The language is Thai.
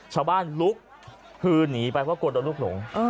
ชาวบ้านลุกพื้นหนีไปเพราะกลลง